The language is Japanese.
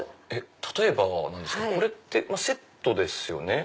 例えばこれってセットですよね。